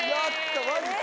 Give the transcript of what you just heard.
マジか。